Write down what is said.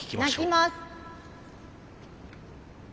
鳴きます。